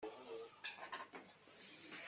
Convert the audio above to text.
برای مینی بار چقدر شارژ شدم؟